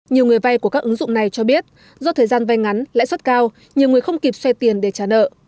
nhiều người vay của các ứng dụng này cho biết do thời gian vay ngắn lãi suất cao nhiều người không kịp xoay tiền để trả nợ